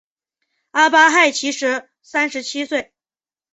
阿巴亥其时三十七岁。